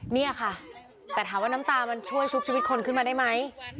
นี่ค่ะแต่ถามว่าน้ำตามันช่วยชุบชีวิตคนขึ้นมาได้ไหม